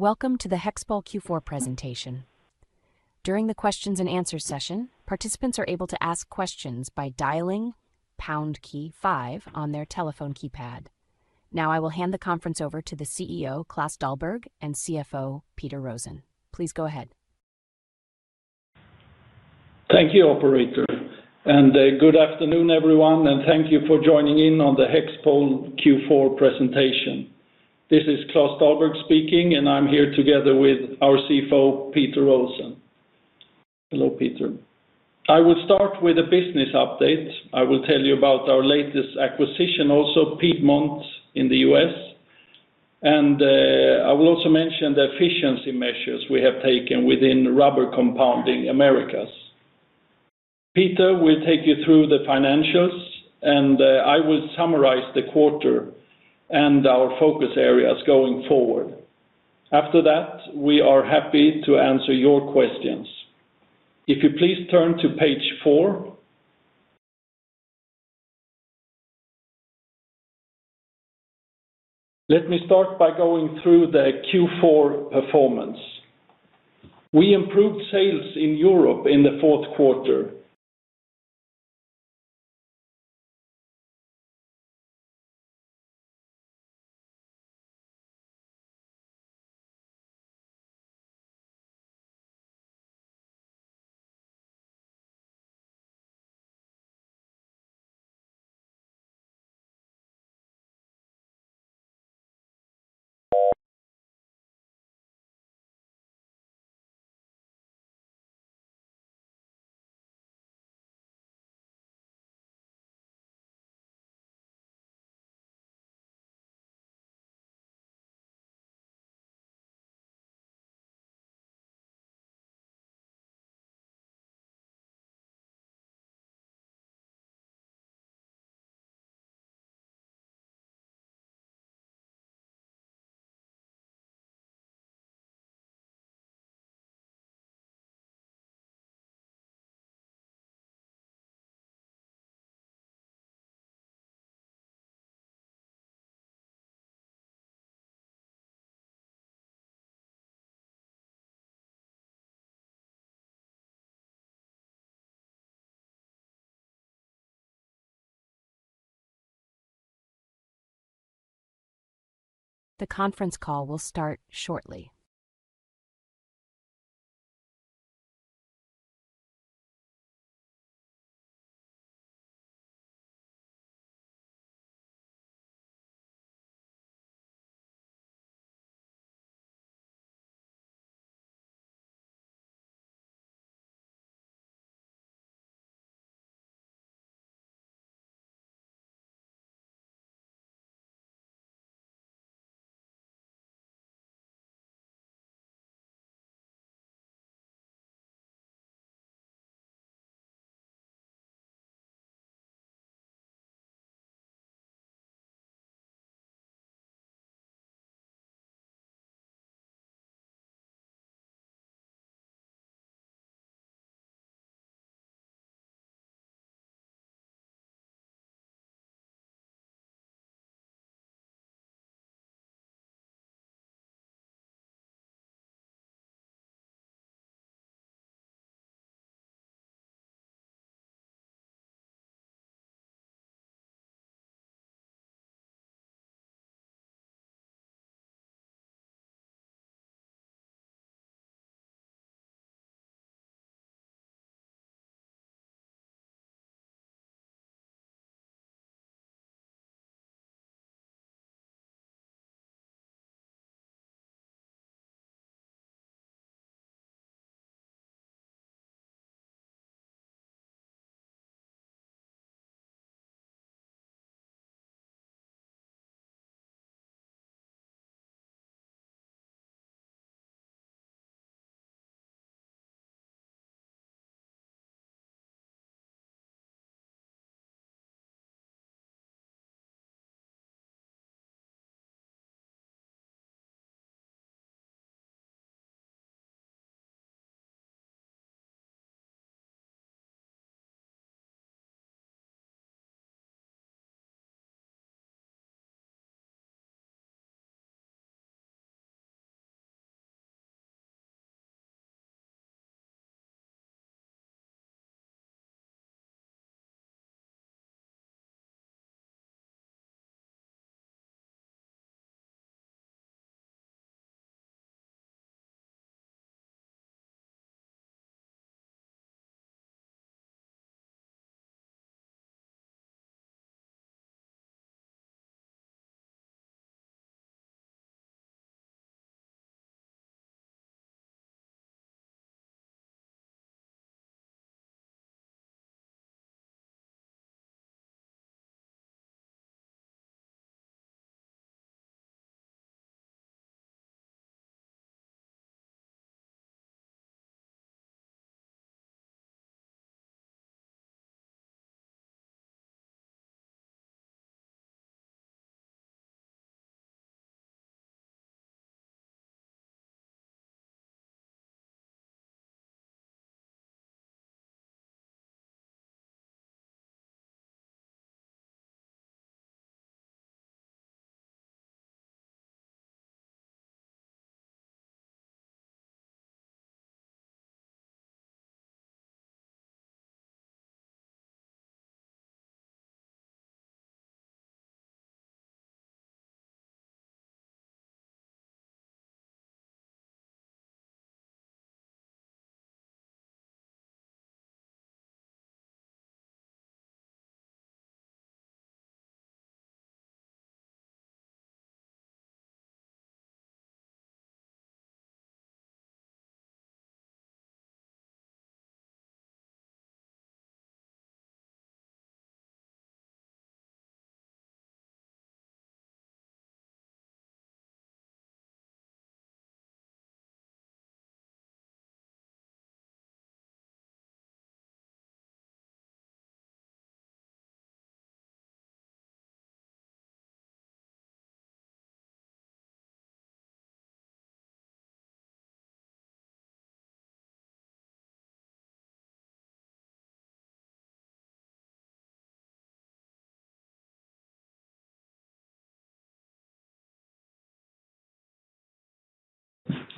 Welcome to the HEXPOL Q4 presentation. During the Q&A session, participants are able to ask questions by dialing pound key five on their telephone keypad. Now, I will hand the conference over to the CEO, Klas Dahlberg, and CFO, Peter Rosén. Please go ahead. Thank you, Operator, and good afternoon, everyone, and thank you for joining in on the HEXPOL Q4 presentation. This is Klas Dahlberg speaking, and I'm here together with our CFO, Peter Rosén. Hello, Peter. I will start with a business update. I will tell you about our latest acquisition, also Piedmont in the U.S., and I will also mention the efficiency measures we have taken within Rubber Compounding Americas. Peter, we'll take you through the financials, and I will summarize the quarter and our focus areas going forward. After that, we are happy to answer your questions. If you please turn to page 4. Let me start by going through the Q4 performance. We improved sales in Europe in the fourth quarter. The conference call will start shortly.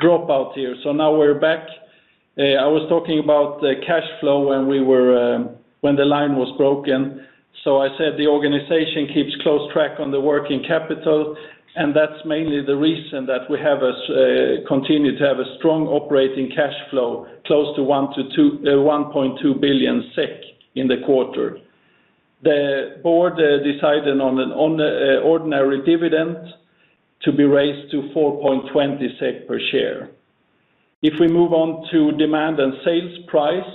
Dropout here. Now we're back. I was talking about cash flow when the line was broken. I said the organization keeps close track on the working capital, and that's mainly the reason that we continue to have a strong operating cash flow, close to 1.2 billion SEK in the quarter. The board decided on an ordinary dividend to be raised to 4.20 SEK per share. If we move on to demand and sales price,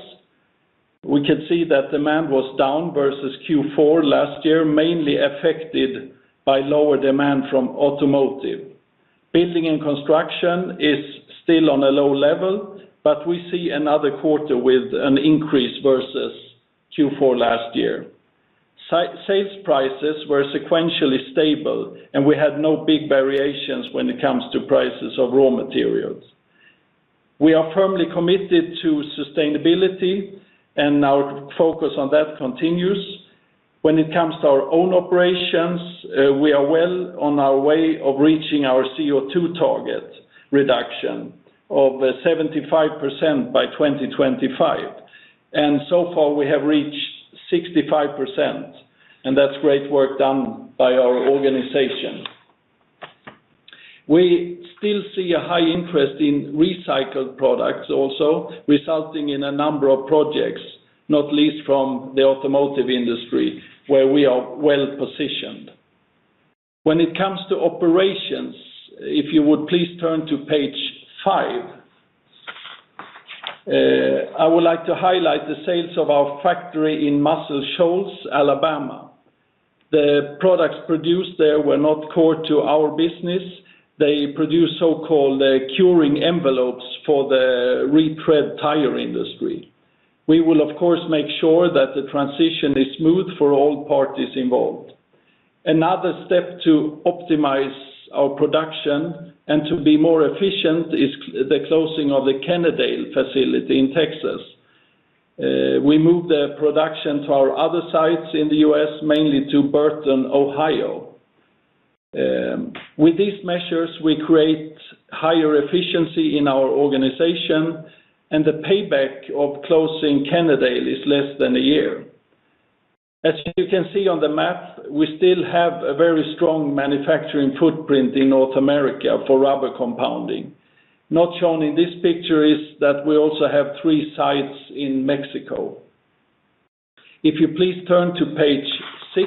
we can see that demand was down versus Q4 last year, mainly affected by lower demand from automotive. Building and construction is still on a low level, but we see another quarter with an increase versus Q4 last year. Sales prices were sequentially stable, and we had no big variations when it comes to prices of raw materials. We are firmly committed to sustainability, and our focus on that continues. When it comes to our own operations, we are well on our way of reaching our CO2 target reduction of 75% by 2025, and so far, we have reached 65%, and that's great work done by our organization. We still see a high interest in recycled products also, resulting in a number of projects, not least from the automotive industry, where we are well positioned. When it comes to operations, if you would please turn to page 5, I would like to highlight the sales of our factory in Muscle Shoals, Alabama. The products produced there were not core to our business. They produce so-called curing envelopes for the retread tire industry. We will, of course, make sure that the transition is smooth for all parties involved. Another step to optimize our production and to be more efficient is the closing of the Kennedale facility in Texas. We moved the production to our other sites in the U.S., mainly to Burton, Ohio. With these measures, we create higher efficiency in our organization, and the payback of closing Kennedale is less than a year. As you can see on the map, we still have a very strong manufacturing footprint in North America for rubber compounding. Not shown in this picture is that we also have three sites in Mexico. If you please turn to page 6,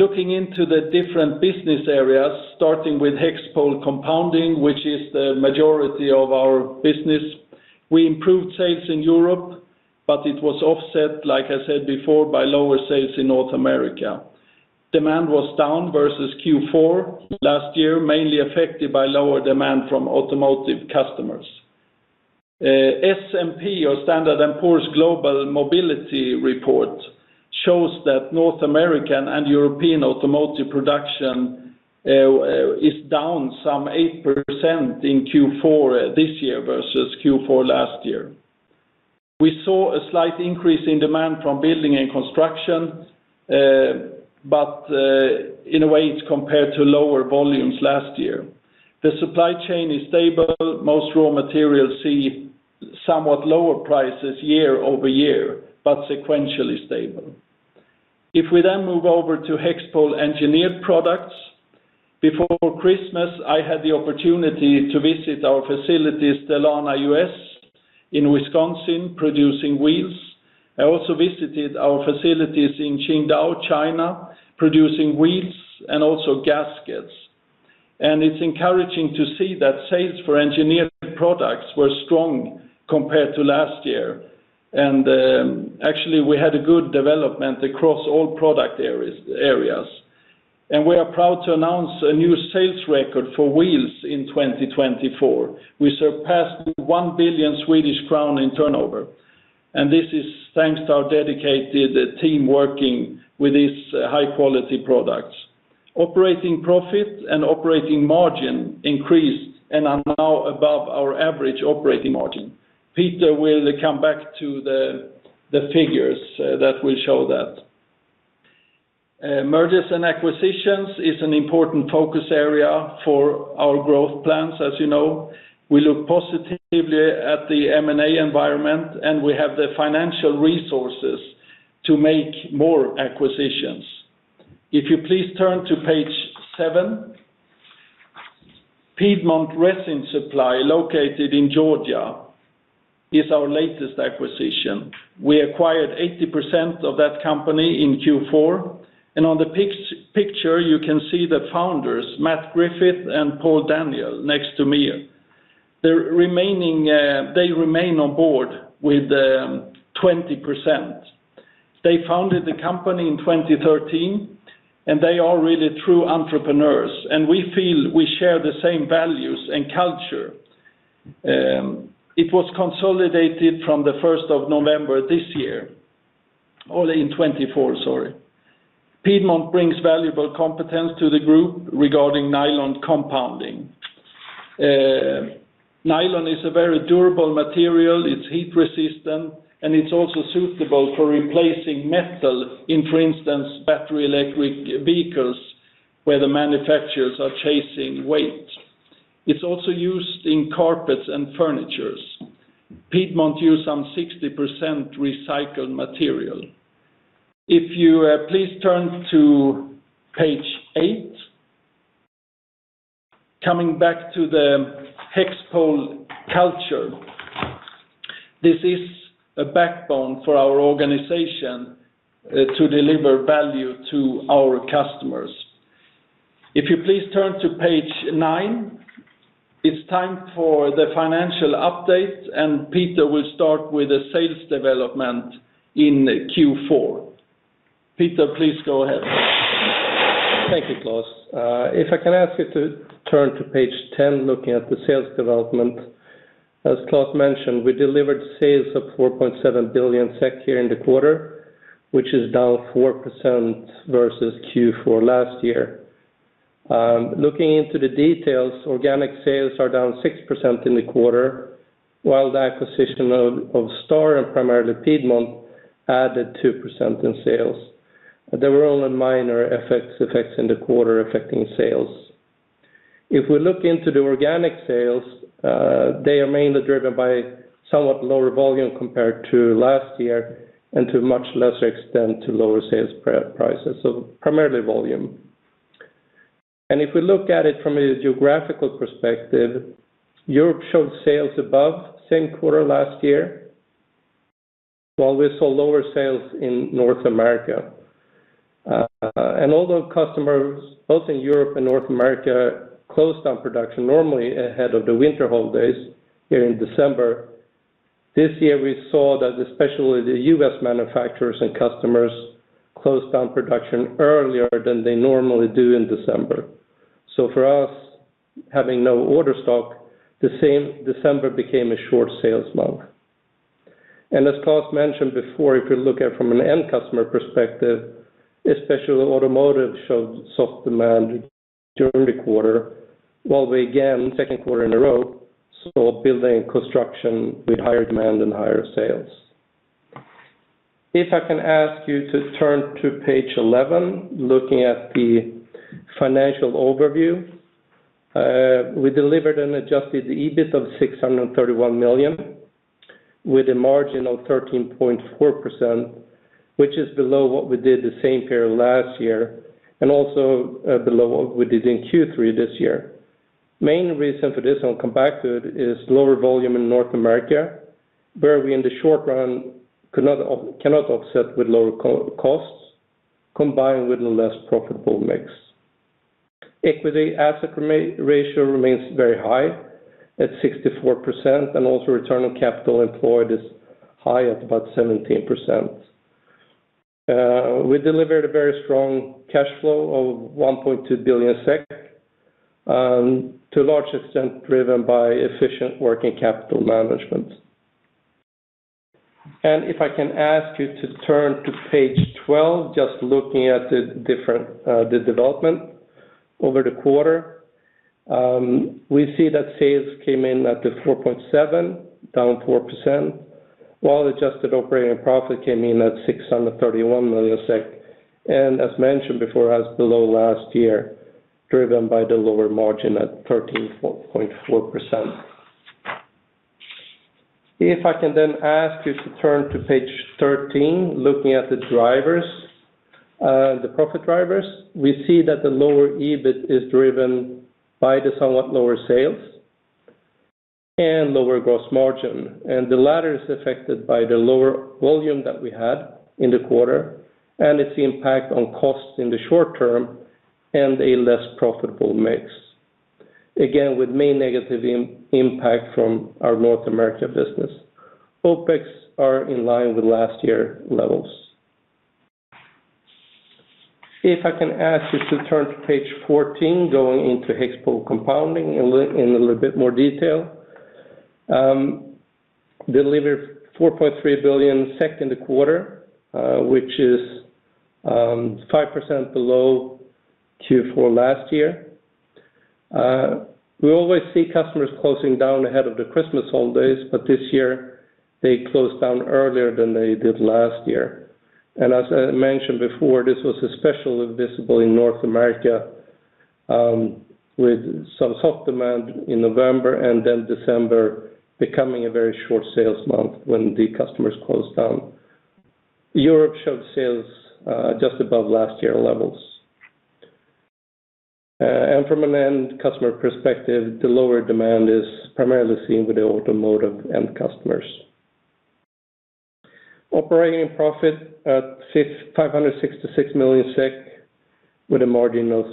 looking into the different business areas, starting with HEXPOL Compounding, which is the majority of our business, we improved sales in Europe, but it was offset, like I said before, by lower sales in North America. Demand was down versus Q4 last year, mainly affected by lower demand from automotive customers. S&P, or Standard and Poor's Global Mobility Report, shows that North American and European automotive production is down some 8% in Q4 this year versus Q4 last year. We saw a slight increase in demand from building and construction, but in a way, it's compared to lower volumes last year. The supply chain is stable. Most raw materials see somewhat lower prices year-over-year, but sequentially stable. If we then move over to HEXPOL Engineered Products, before Christmas, I had the opportunity to visit our facilities, Delavan, U.S., in Wisconsin, producing wheels. I also visited our facilities in Qingdao, China, producing wheels and also gaskets. And it's encouraging to see that sales for Engineered Products were strong compared to last year. And actually, we had a good development across all product areas. And we are proud to announce a new sales record for Wheels in 2024. We surpassed 1 billion Swedish crown in turnover. This is thanks to our dedicated team working with these high-quality products. Operating profit and operating margin increased and are now above our average operating margin. Peter will come back to the figures that will show that. Mergers and acquisitions is an important focus area for our growth plans, as you know. We look positively at the M&A environment, and we have the financial resources to make more acquisitions. If you please turn to page 7, Piedmont Resin Supply, located in Georgia, is our latest acquisition. We acquired 80% of that company in Q4. On the picture, you can see the founders, Matt Griffith and Paul Daniel, next to me. They remain on board with 20%. They founded the company in 2013, and they are really true entrepreneurs. We feel we share the same values and culture. It was consolidated from the 1st of November this year, or in 2024, sorry. Piedmont brings valuable competence to the group regarding nylon compounding. Nylon is a very durable material. It's heat resistant, and it's also suitable for replacing metal in, for instance, battery electric vehicles, where the manufacturers are chasing weight. It's also used in carpets and furniture. Piedmont uses some 60% recycled material. If you please turn to page 8, coming back to the HEXPOL culture, this is a backbone for our organization to deliver value to our customers. If you please turn to page 9, it's time for the financial update, and Peter will start with the sales development in Q4. Peter, please go ahead. Thank you, Klas. If I can ask you to turn to page 10, looking at the sales development. As Klas mentioned, we delivered sales of 4.7 billion SEK here in the quarter, which is down 4% versus Q4 last year. Looking into the details, organic sales are down 6% in the quarter, while the acquisition of Star and primarily Piedmont added 2% in sales. There were only minor effects in the quarter affecting sales. If we look into the organic sales, they are mainly driven by somewhat lower volume compared to last year and to a much lesser extent to lower sales prices, so primarily volume. If we look at it from a geographical perspective, Europe showed sales above same quarter last year, while we saw lower sales in North America. Although customers, both in Europe and North America, closed down production normally ahead of the winter holidays here in December, this year we saw that especially the U.S. manufacturers and customers closed down production earlier than they normally do in December. So for us, having no order stock, the same December became a short sales month. And as Klas mentioned before, if you look at it from an end customer perspective, especially automotive showed soft demand during the quarter, while we again, second quarter in a row, saw building and construction with higher demand and higher sales. If I can ask you to turn to page 11, looking at the financial overview, we delivered an Adjusted EBIT of 631 million with a margin of 13.4%, which is below what we did the same period last year and also below what we did in Q3 this year. Main reason for this, and I'll come back to it, is lower volume in North America, where we in the short run cannot offset with lower costs, combined with a less profitable mix. Equity asset ratio remains very high at 64%, and also return on capital employed is high at about 17%. We delivered a very strong cash flow of 1.2 billion SEK, to a large extent driven by efficient working capital management. And if I can ask you to turn to page 12, just looking at the development over the quarter, we see that sales came in at 4.7, down 4%, while adjusted operating profit came in at 631 million SEK. And as mentioned before, as below last year, driven by the lower margin at 13.4%. If I can then ask you to turn to page 13, looking at the drivers, the profit drivers, we see that the lower EBIT is driven by the somewhat lower sales and lower gross margin, and the latter is affected by the lower volume that we had in the quarter and its impact on costs in the short term and a less profitable mix, again with main negative impact from our North America business. OpEx are in line with last year's levels. If I can ask you to turn to page 14, going into HEXPOL Compounding in a little bit more detail, delivered 4.3 billion SEK in the quarter, which is 5% below Q4 last year. We always see customers closing down ahead of the Christmas holidays, but this year they closed down earlier than they did last year. As I mentioned before, this was especially visible in North America with some soft demand in November and then December becoming a very short sales month when the customers closed down. Europe showed sales just above last year's levels. From an end customer perspective, the lower demand is primarily seen with the automotive end customers. Operating profit at 566 million SEK with a margin of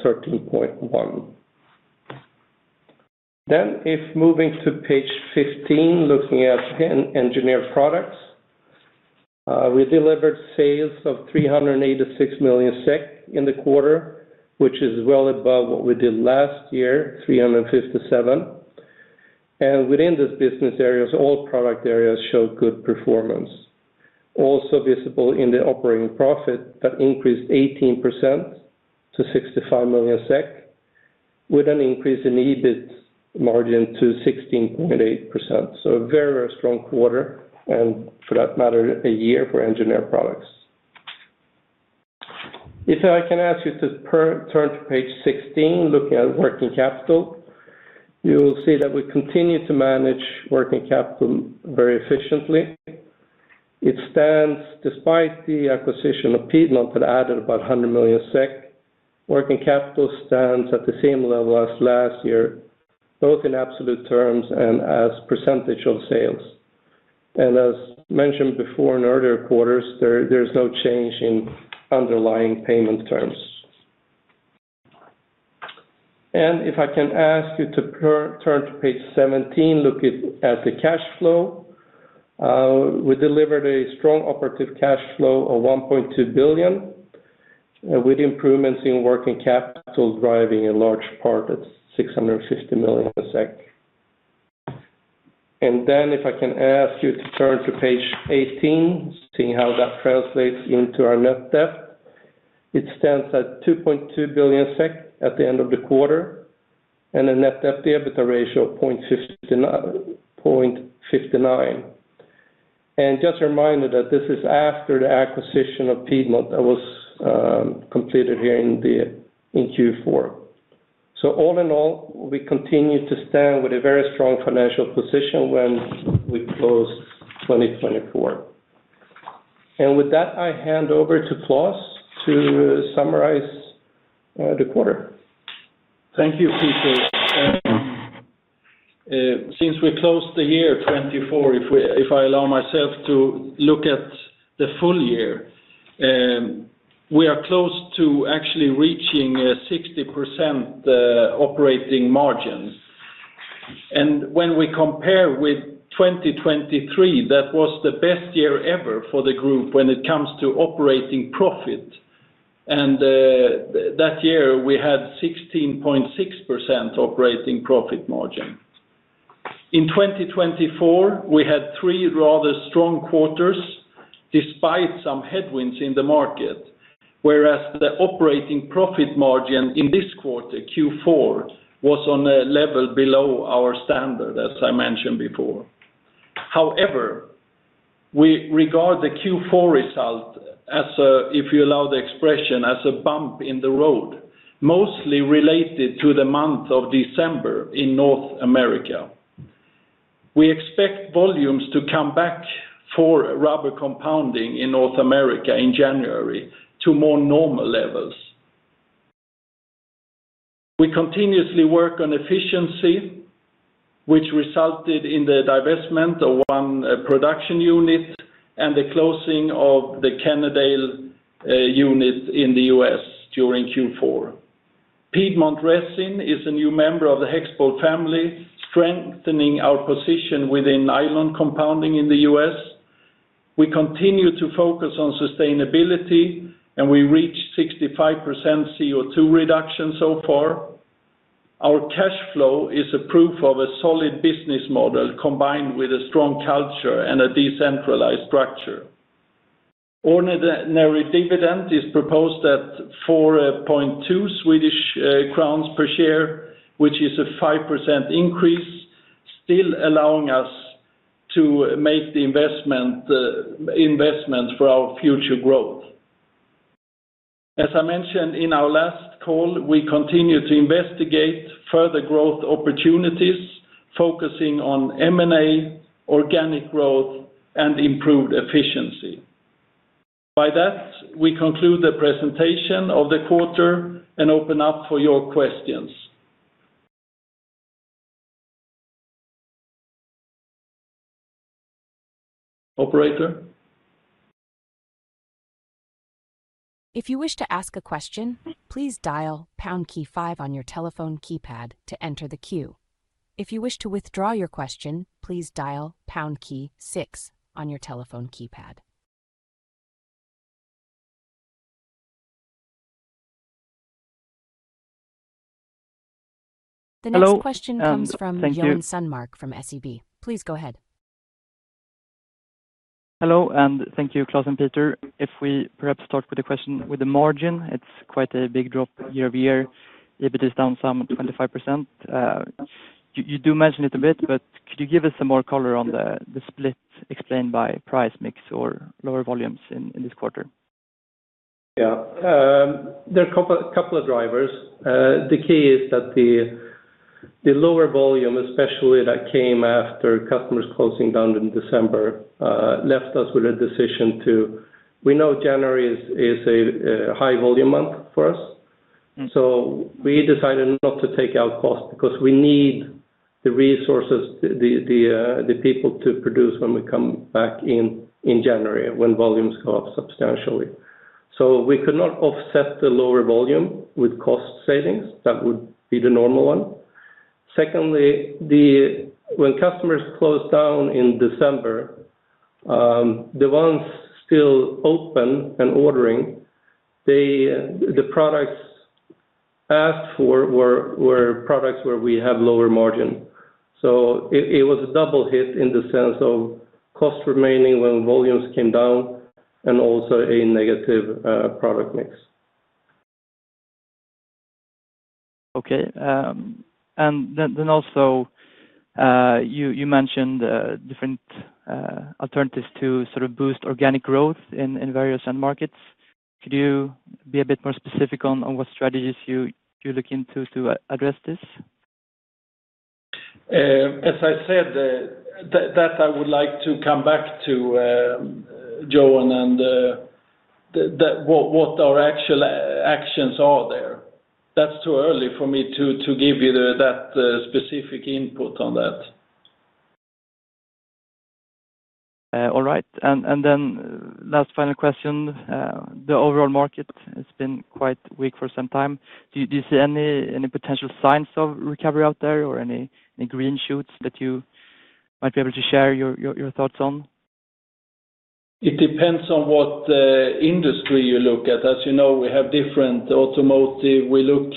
13.1%. If moving to page 15, looking at Engineered Products, we delivered sales of 386 million SEK in the quarter, which is well above what we did last year, 357 million. Within this business area, all product areas showed good performance. Also visible in the operating profit that increased 18% to 65 million SEK, with an increase in EBIT margin to 16.8%. A very, very strong quarter, and for that matter, a year for Engineered Products. If I can ask you to turn to page 16, looking at working capital, you will see that we continue to manage working capital very efficiently. It stands, despite the acquisition of Piedmont that added about 100 million SEK, working capital stands at the same level as last year, both in absolute terms and as percentage of sales. And as mentioned before in earlier quarters, there is no change in underlying payment terms. And if I can ask you to turn to page 17, look at the cash flow. We delivered a strong operating cash flow of 1.2 billion, with improvements in working capital driving a large part at 650 million. And then, if I can ask you to turn to page 18, seeing how that translates into our net debt, it stands at 2.2 billion SEK at the end of the quarter and a net debt-to-equity ratio of 0.59. And just a reminder that this is after the acquisition of Piedmont that was completed here in Q4. So all in all, we continue to stand with a very strong financial position when we close 2024. And with that, I hand over to Klas to summarize the quarter. Thank you, Peter. Since we closed the year 2024, if I allow myself to look at the full year, we are close to actually reaching 60% operating margin. And when we compare with 2023, that was the best year ever for the group when it comes to operating profit. And that year, we had 16.6% operating profit margin. In 2024, we had three rather strong quarters despite some headwinds in the market, whereas the operating profit margin in this quarter, Q4, was on a level below our standard, as I mentioned before. However, we regard the Q4 result, if you allow the expression, as a bump in the road, mostly related to the month of December in North America. We expect volumes to come back for rubber compounding in North America in January to more normal levels. We continuously work on efficiency, which resulted in the divestment of one production unit and the closing of the Kennedale unit in the U.S. during Q4. Piedmont Resin is a new member of the HEXPOL family, strengthening our position within nylon compounding in the U.S. We continue to focus on sustainability, and we reached 65% CO2 reduction so far. Our cash flow is a proof of a solid business model combined with a strong culture and a decentralized structure. Ordinary dividend is proposed at 4.2 Swedish crowns per share, which is a 5% increase, still allowing us to make the investment for our future growth. As I mentioned in our last call, we continue to investigate further growth opportunities, focusing on M&A, organic growth, and improved efficiency. By that, we conclude the presentation of the quarter and open up for your questions. Operator. If you wish to ask a question, please dial pound key five on your telephone keypad to enter the queue. If you wish to withdraw your question, please dial pound key six on your telephone keypad. The next question comes from Joen Sundmark from SEB. Please go ahead. Hello, and thank you, Klas and Peter. If we perhaps start with a question with the margin, it's quite a big drop year-over-year. EBIT is down some 25%. You do mention it a bit, but could you give us some more color on the split explained by price mix or lower volumes in this quarter? Yeah. There are a couple of drivers. The key is that the lower volume, especially that came after customers closing down in December, left us with a decision to. We know January is a high volume month for us. So we decided not to take out cost because we need the resources, the people to produce when we come back in January, when volumes go up substantially. So we could not offset the lower volume with cost savings. That would be the normal one. Secondly, when customers closed down in December, the ones still open and ordering, the products asked for were products where we have lower margin. So it was a double hit in the sense of cost remaining when volumes came down and also a negative product mix. Okay. And then also, you mentioned different alternatives to sort of boost organic growth in various end markets. Could you be a bit more specific on what strategies you're looking to address this? As I said, that I would like to come back to, Joen, and what our actual actions are there. That's too early for me to give you that specific input on that. All right. And then last final question. The overall market has been quite weak for some time. Do you see any potential signs of recovery out there or any green shoots that you might be able to share your thoughts on? It depends on what industry you look at. As you know, we have different automotive. We look,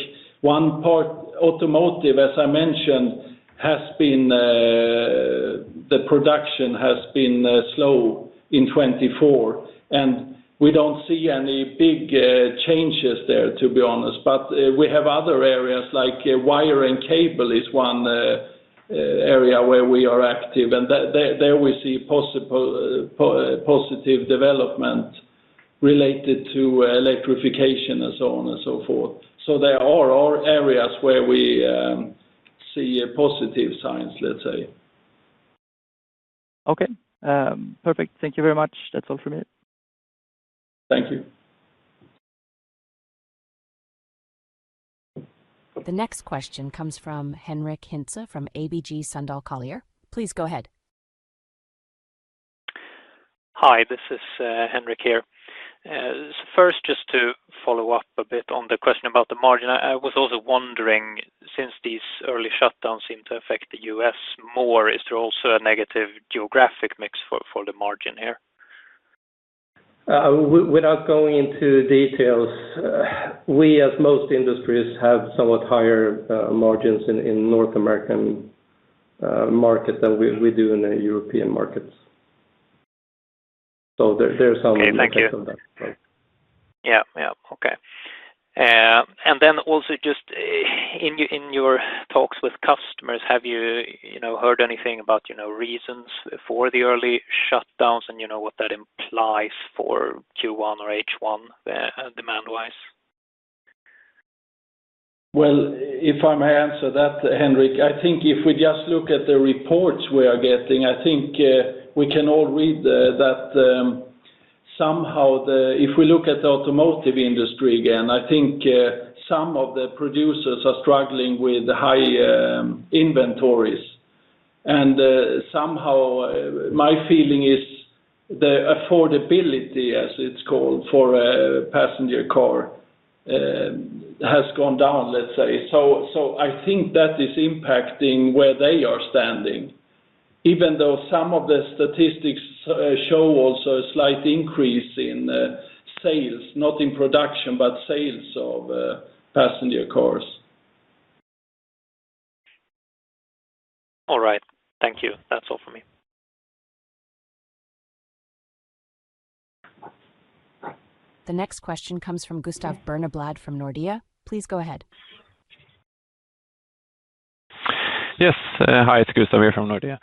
one part automotive, as I mentioned, has been, the production has been slow in 2024, and we don't see any big changes there, to be honest. But we have other areas like wire and cable is one area where we are active, and there we see possible positive development related to electrification and so on and so forth. So there are areas where we see positive signs, let's say. Okay. Perfect. Thank you very much. That's all from me. Thank you. The next question comes from Henric Hintze from ABG Sundal Collier. Please go ahead. Hi, this is Henrik here. First, just to follow up a bit on the question about the margin, I was also wondering, since these early shutdowns seem to affect the U.S. more, is there also a negative geographic mix for the margin here? Without going into details, we, as most industries, have somewhat higher margins in the North American market than we do in the European markets, so there's some effect on that. Okay, and then also just in your talks with customers, have you heard anything about reasons for the early shutdowns and what that implies for Q1 or H1 demand-wise? If I may answer that, Henrik, I think if we just look at the reports we are getting, I think we can all read that somehow if we look at the automotive industry again, I think some of the producers are struggling with high inventories. And somehow, my feeling is the affordability, as it's called, for a passenger car has gone down, let's say. So I think that is impacting where they are standing, even though some of the statistics show also a slight increase in sales, not in production, but sales of passenger cars. All right. Thank you. That's all from me. The next question comes from Gustav Berneblad from Nordea. Please go ahead. Yes. Hi, it's Gustav here from Nordea.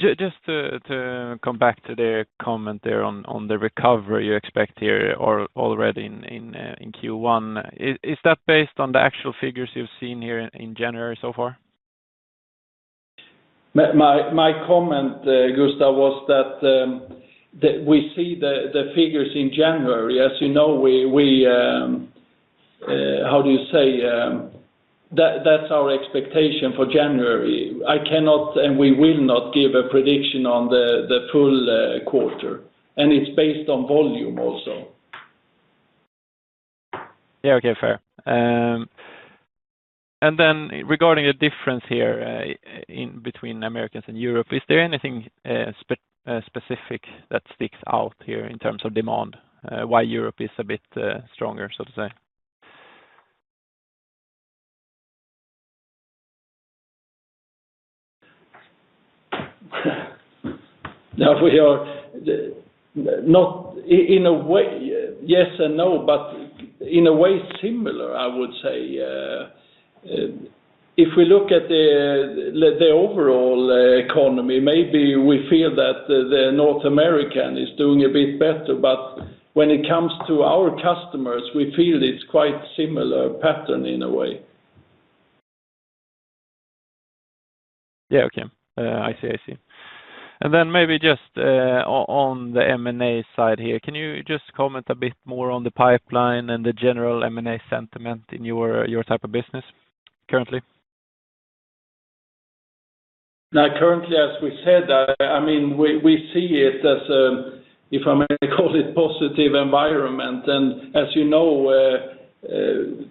Just to come back to the comment there on the recovery you expect here already in Q1, is that based on the actual figures you've seen here in January so far? My comment, Gustav, was that we see the figures in January. As you know, we, how do you say? That's our expectation for January. I cannot and we will not give a prediction on the full quarter. And it's based on volume also. Yeah. Okay. Fair. And then, regarding the difference here between America and Europe, is there anything specific that sticks out here in terms of demand, why Europe is a bit stronger, so to say? Now, if we are not in a way yes and no, but in a way similar, I would say. If we look at the overall economy, maybe we feel that North America is doing a bit better, but when it comes to our customers, we feel it's quite a similar pattern in a way. Yeah. Okay. I see, and then maybe just on the M&A side here, can you just comment a bit more on the pipeline and the general M&A sentiment in your type of business currently? Now, currently, as we said, I mean, we see it as, if I may call it, a positive environment. And as you know,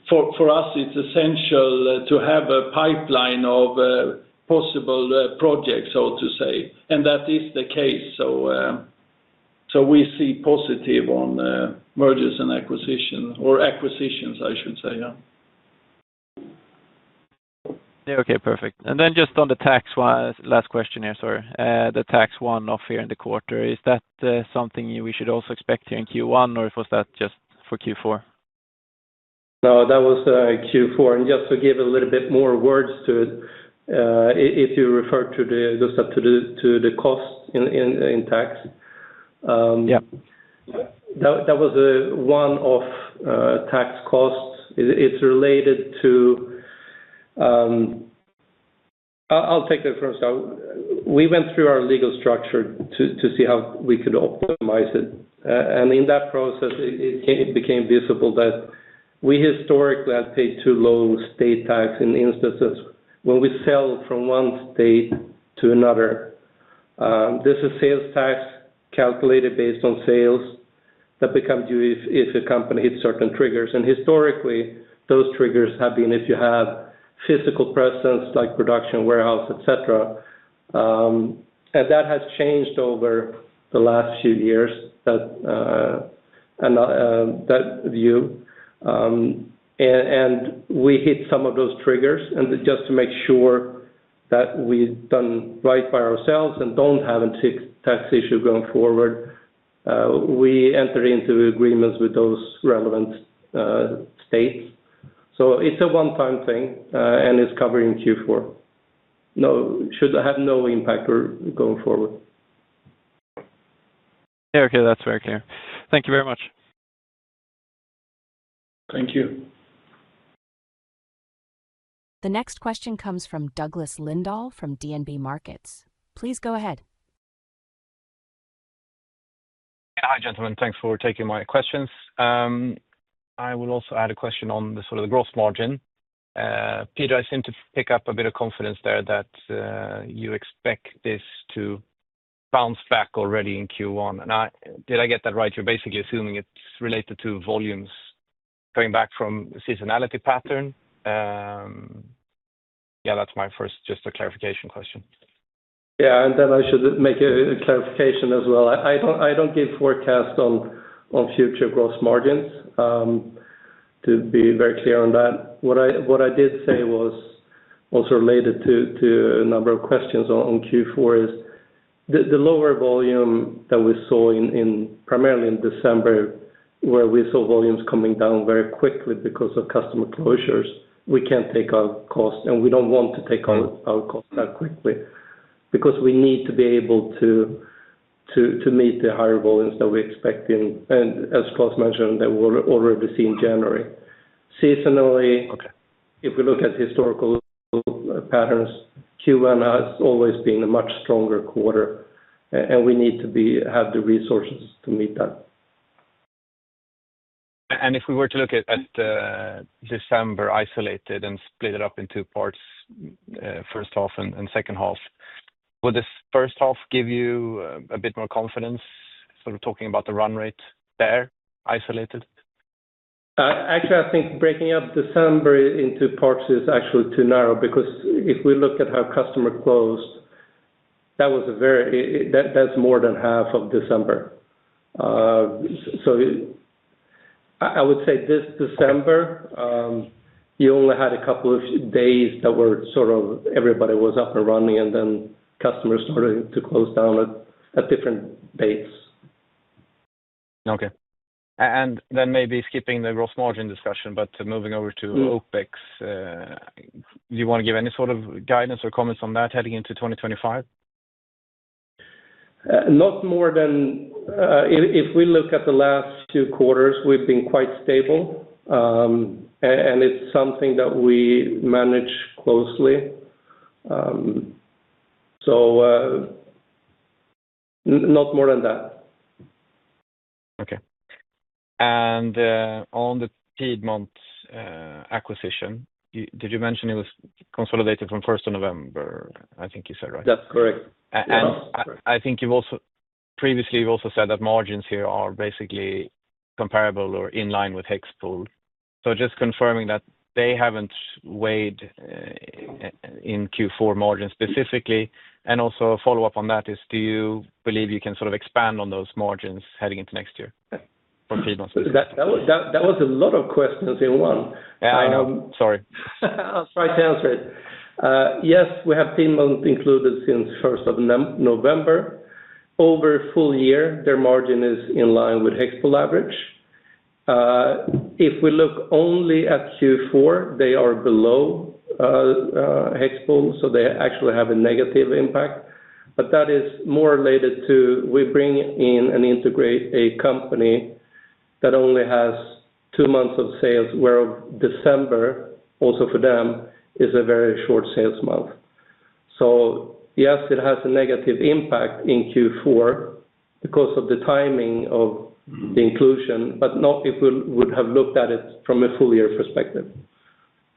for us, it's essential to have a pipeline of possible projects, so to say. And that is the case. So we see positive on mergers and acquisitions or acquisitions, I should say. Yeah. Okay. Perfect. And then just on the tax last question here, sorry. The tax one off here in the quarter, is that something we should also expect here in Q1, or was that just for Q4? No, that was Q4. And just to give a little bit more words to it, if you refer to the cost in tax, that was one of tax costs. It's related to. I'll take that first. We went through our legal structure to see how we could optimize it. And in that process, it became visible that we historically had paid too low state tax in instances when we sell from one state to another. This is sales tax calculated based on sales that become due if a company hits certain triggers. And historically, those triggers have been if you have physical presence like production, warehouse, etc. And that has changed over the last few years, that view. And we hit some of those triggers. And just to make sure that we've done right by ourselves and don't have a tax issue going forward, we enter into agreements with those relevant states. So it's a one-time thing, and it's covered in Q4. No, should have no impact going forward. Okay. That's very clear. Thank you very much. Thank you. The next question comes from Douglas Lindahl from DNB Markets. Please go ahead. Hi, gentlemen. Thanks for taking my questions. I will also add a question on sort of the gross margin. Peter, I seem to pick up a bit of confidence there that you expect this to bounce back already in Q1, and did I get that right? You're basically assuming it's related to volumes going back from the seasonality pattern. Yeah, that's my first, just a clarification question. Yeah. And then I should make a clarification as well. I don't give forecasts on future gross margins to be very clear on that. What I did say was also related to a number of questions on Q4 is the lower volume that we saw primarily in December, where we saw volumes coming down very quickly because of customer closures. We can't take our cost, and we don't want to take our cost that quickly because we need to be able to meet the higher volumes that we expect, as Klas mentioned, that we already see in January. Seasonally, if we look at historical patterns, Q1 has always been a much stronger quarter, and we need to have the resources to meet that. If we were to look at December isolated and split it up into parts, first half and second half, would this first half give you a bit more confidence sort of talking about the run rate there isolated? Actually, I think breaking up December into parts is actually too narrow because if we look at how customers closed, that's more than half of December. So I would say this December, you only had a couple of days that were sort of everybody was up and running, and then customers started to close down at different dates. Okay. And then maybe skipping the gross margin discussion, but moving over to OpEx, do you want to give any sort of guidance or comments on that heading into 2025? Not more than if we look at the last two quarters, we've been quite stable, and it's something that we manage closely. So not more than that. Okay. And on the Piedmont acquisition, did you mention it was consolidated from first of November? I think you said, right. That's correct. And I think previously you've also said that margins here are basically comparable or in line with HEXPOL. So just confirming that they haven't weighed in Q4 margins specifically. And also a follow-up on that is, do you believe you can sort of expand on those margins heading into next year from Piedmont? That was a lot of questions in one. I know. Sorry. I'll try to answer it. Yes, we have Piedmont included since 1st of November. Over a full year, their margin is in line with HEXPOL average. If we look only at Q4, they are below HEXPOL, so they actually have a negative impact. But that is more related to we bring in and integrate a company that only has two months of sales, where December, also for them, is a very short sales month. So yes, it has a negative impact in Q4 because of the timing of the inclusion, but not if we would have looked at it from a full-year perspective.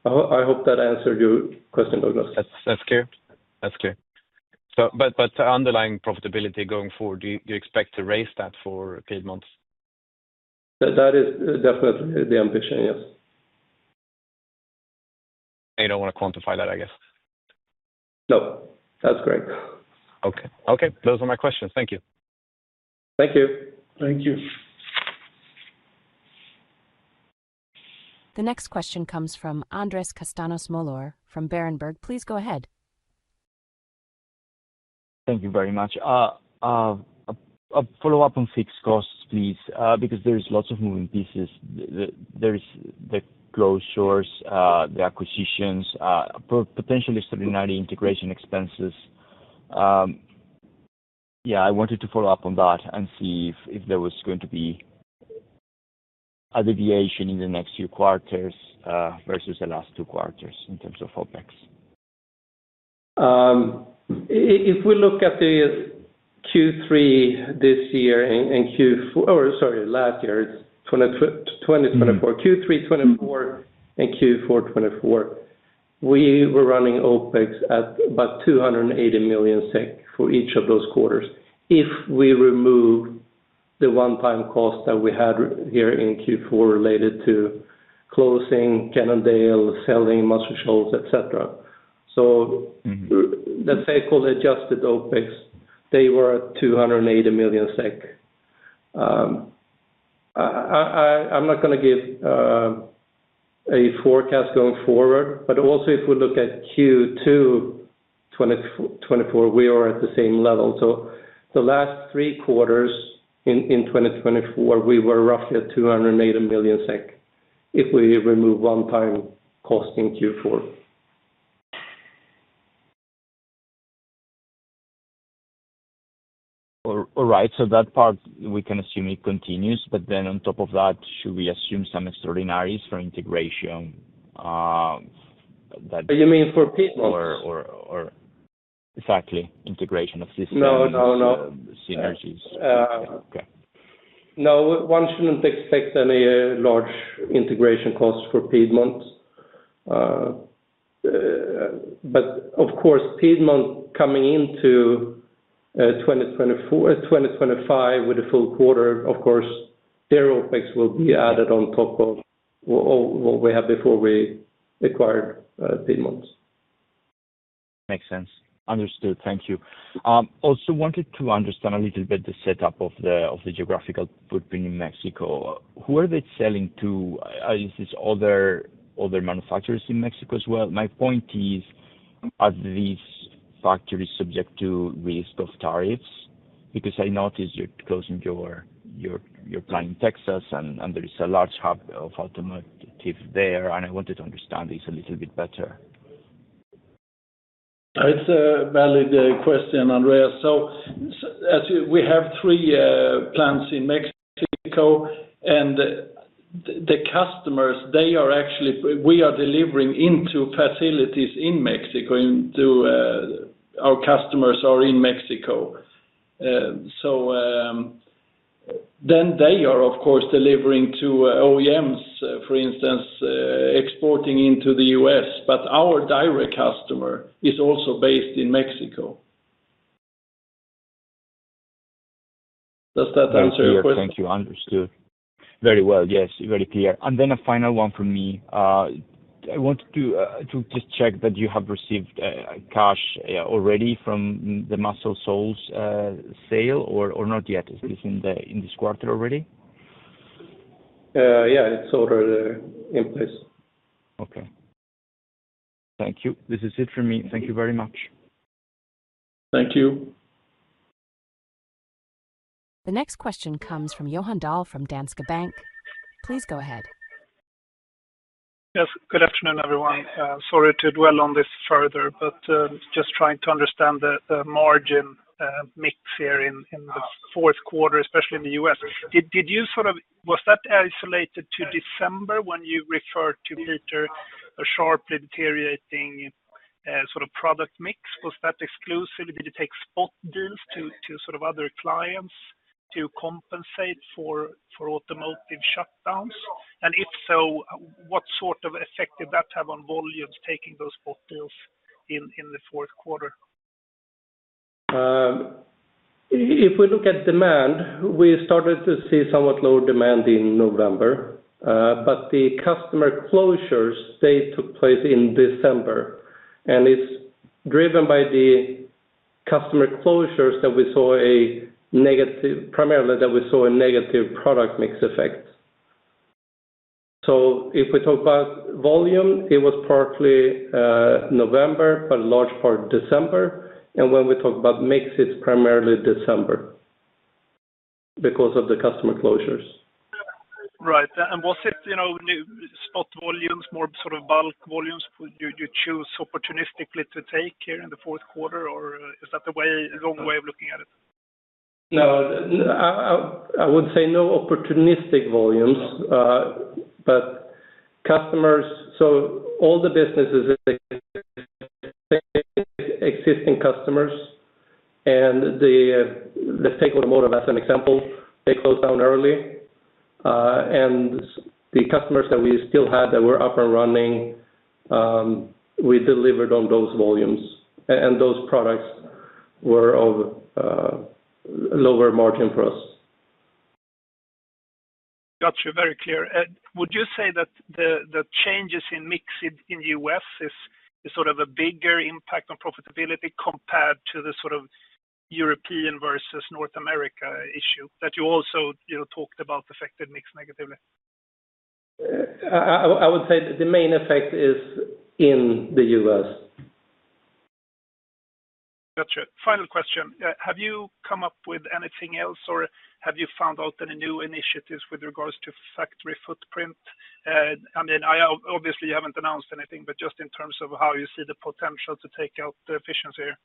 I hope that answered your question, Douglas. That's clear. That's clear. But underlying profitability going forward, do you expect to raise that for Piedmont? That is definitely the ambition, yes. You don't want to quantify that, I guess. No. That's correct. Okay. Okay. Those are my questions. Thank you. Thank you. Thank you. The next question comes from Andrés Castaños-Mollor from Berenberg. Please go ahead. Thank you very much. A follow-up on fixed costs, please, because there are lots of moving pieces. There are the closures, the acquisitions, potentially extraordinary integration expenses. Yeah, I wanted to follow up on that and see if there was going to be a deviation in the next few quarters versus the last two quarters in terms of OpEx. If we look at the Q3 this year and Q4 or sorry, last year, it's 2024, Q3 2024 and Q4 2024, we were running OpEx at about 280 million SEK for each of those quarters if we remove the one-time cost that we had here in Q4 related to closing, Kennedale, selling, Muscle Shoals, etc. So the SEK Adjusted OpEx, they were at 280 million SEK. I'm not going to give a forecast going forward, but also if we look at Q2 2024, we are at the same level. So the last three quarters in 2024, we were roughly at 280 million SEK if we remove one-time cost in Q4. All right. So that part, we can assume it continues, but then on top of that, should we assume some extraordinaries for integration that? You mean for Piedmont's? Exactly. Integration of systems and synergies. No, no, no. Okay. No, one shouldn't expect any large integration costs for Piedmont. But of course, Piedmont coming into 2025 with a full quarter, of course, their OpEx will be added on top of what we had before we acquired Piedmont. Makes sense. Understood. Thank you. Also wanted to understand a little bit the setup of the geographical footprint in Mexico. Who are they selling to? Are these other manufacturers in Mexico as well? My point is, are these factories subject to risk of tariffs? Because I noticed you're closing your plant in Texas, and there is a large hub of automotive there, and I wanted to understand this a little bit better. It's a valid question, Andrés. So we have three plants in Mexico, and the customers, they are actually we are delivering into facilities in Mexico into our customers are in Mexico. So then they are, of course, delivering to OEMs, for instance, exporting into the U.S., but our direct customer is also based in Mexico. Does that answer your question? Yes. Thank you. Understood. Very well. Yes, very clear. And then a final one from me. I want to just check that you have received cash already from the Muscle Shoals sale or not yet? Is this in this quarter already? Yeah, it's already in place. Okay. Thank you. This is it from me. Thank you very much. Thank you. The next question comes from Johan Dahl from Danske Bank. Please go ahead. Yes. Good afternoon, everyone. Sorry to dwell on this further, but just trying to understand the margin mix here in the fourth quarter, especially in the U.S. Did you sort of was that isolated to December when you referred to, Peter, a sharply deteriorating sort of product mix? Was that exclusively? Did it take spot deals to sort of other clients to compensate for automotive shutdowns? And if so, what sort of effect did that have on volumes taking those spot deals in the fourth quarter? If we look at demand, we started to see somewhat lower demand in November, but the customer closures, they took place in December, and it's driven by the customer closures that we saw a negative primarily that we saw a negative product mix effect. So if we talk about volume, it was partly November, but a large part December. When we talk about mix, it's primarily December because of the customer closures. Right. And was it spot volumes, more sort of bulk volumes you chose opportunistically to take here in the fourth quarter, or is that a long way of looking at it? No. I would say no opportunistic volumes, but customers, so all the businesses that existing customers and let's take automotive as an example. They closed down early, and the customers that we still had that were up and running, we delivered on those volumes, and those products were of lower margin for us. Gotcha. Very clear. And would you say that the changes in mix in the U.S. is sort of a bigger impact on profitability compared to the sort of European versus North America issue that you also talked about affected mix negatively? I would say the main effect is in the U.S. Gotcha. Final question. Have you come up with anything else, or have you found out any new initiatives with regards to factory footprint? I mean, obviously, you haven't announced anything, but just in terms of how you see the potential to take out the efficiency here?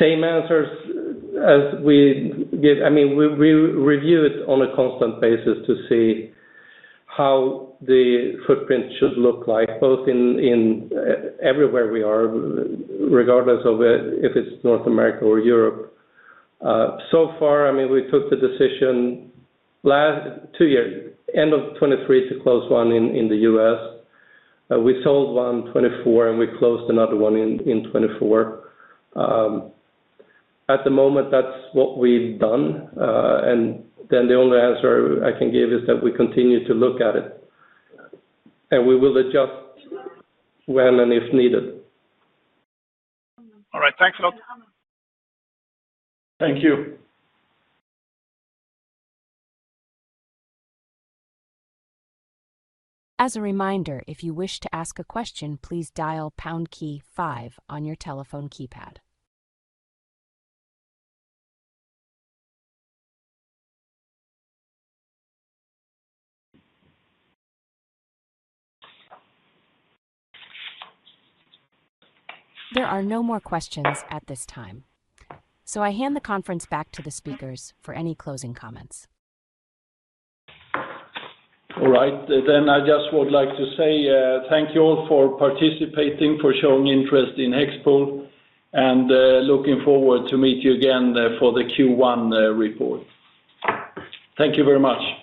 Same answers as we give. I mean, we review it on a constant basis to see how the footprint should look like both in everywhere we are, regardless of if it's North America or Europe. So far, I mean, we took the decision two years, end of 2023 to close one in the U.S. We sold one 2024, and we closed another one in 2024. At the moment, that's what we've done. And then the only answer I can give is that we continue to look at it, and we will adjust when and if needed. All right. Thanks, a lot. Thank you. As a reminder, if you wish to ask a question, please dial pound key five on your telephone keypad. There are no more questions at this time, so I hand the conference back to the speakers for any closing comments. All right. Then I just would like to say thank you all for participating, for showing interest in HEXPOL, and looking forward to meet you again for the Q1 report. Thank you very much.